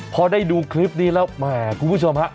พอได้ดูคลิปนี้แล้วแหมคุณผู้ชมฮะ